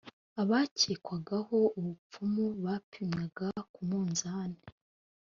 abakekwagaho ubupfumu bapimwaga ku munzani